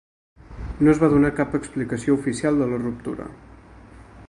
No es va donar cap explicació oficial de la ruptura.